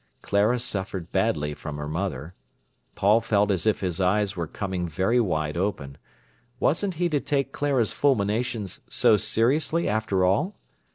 Clara suffered badly from her mother. Paul felt as if his eyes were coming very wide open. Wasn't he to take Clara's fulminations so seriously, after all?